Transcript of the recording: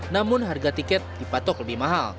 namun harga tiket dipatok lebih mahal